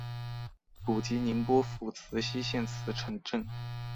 祖籍宁波府慈溪县慈城镇。